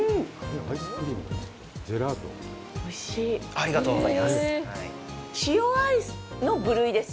ありがとうございます。